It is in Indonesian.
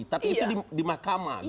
tapi itu di mahkamah